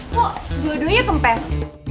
kok dua duanya kempes